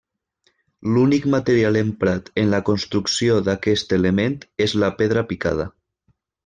L'únic material emprat en la construcció d'aquest element és la pedra picada.